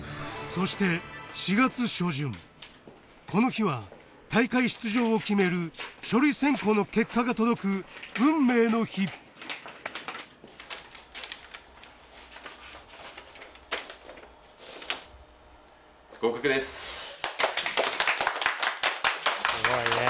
そして４月初旬この日は大会出場を決める書類選考の結果が届く運命の日すごいね。